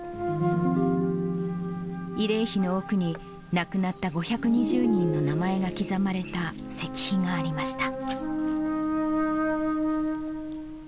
慰霊碑の奥に、亡くなった５２０人の名前が刻まれた石碑がありました。